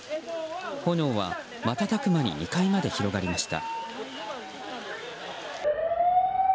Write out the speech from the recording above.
炎は瞬く間に２階まで広がりました。